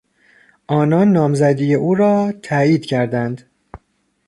آنان نامزدی او را تایید کردند.